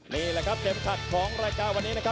นี่แหละครับเข็มขัดของรายการวันนี้นะครับ